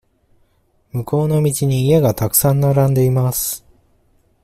向こうの道に家がたくさん並んでいます。